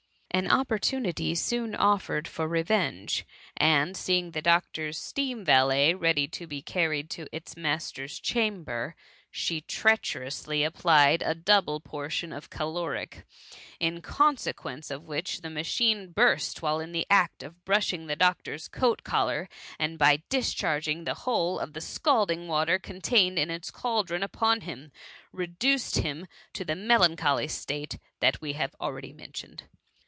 An opportunity soon o£Pered for revenge ; and see ing the doctor'^s steam valet ready to be carried to its master^s chamber, she treacherously ap plied a double portion of caloric : in consequence of which, the machine burst whilst in the act of brushing the doctor^s coat collar, and by dis charging the whole of the scalding water con tained in its cauldron upon him, reduced him to the melancholy state we have already men« tioned.